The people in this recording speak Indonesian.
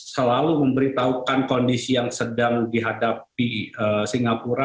selalu memberitahukan kondisi yang sedang dihadapi singapura